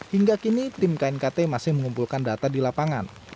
hingga kini tim knkt masih mengumpulkan data di lapangan